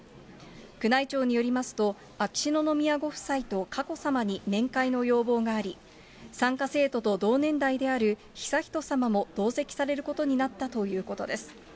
宮内庁によりますと、秋篠宮ご夫妻と佳子さまに面会の要望があり、参加生徒と同年代である悠仁さまも同席されることになったということです。